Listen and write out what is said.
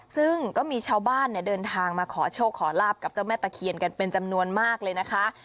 ซึ่งก็มีชาวบ้านเนี่ยเดินทางมาขอโชคขอลาบกับเจ้าแม่ตะเคียนกันเป็นจำนวนมากเลยนะคะ